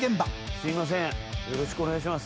すみません、よろしくお願いします。